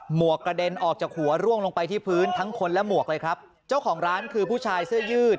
หวกกระเด็นออกจากหัวร่วงลงไปที่พื้นทั้งคนและหมวกเลยครับเจ้าของร้านคือผู้ชายเสื้อยืด